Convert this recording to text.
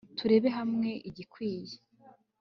turebere hamwe igikwiye